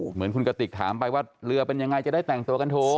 เหมือนคุณกติกถามไปว่าเรือเป็นยังไงจะได้แต่งตัวกันโถ